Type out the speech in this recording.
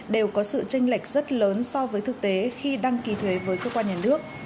đều có sự tranh lệch rất lớn so với thực tế khi đăng ký thuế với cơ quan nhà nước